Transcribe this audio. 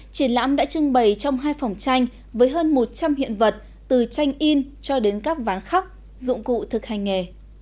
triển lãm đã trưng bày trong hai phòng tranh với hơn một trăm linh hiện vật từ tranh in cho đến các ván khắc dụng cụ thực hành nghề